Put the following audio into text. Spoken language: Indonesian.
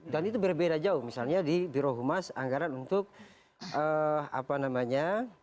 dan itu berbeda jauh misalnya di birohumas anggaran untuk apa namanya